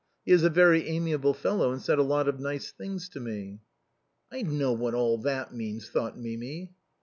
He is a very amiable young fellow, and said a lot of nice things to me." " I know what all that means," thought Mimi.